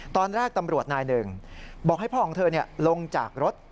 ตอนแรกตำรวจนายหนึ่งบอกให้พ่อของเธอลงจากรถ